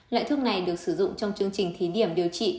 loại thuốc này được sử dụng trong chương trình thí điểm điều trị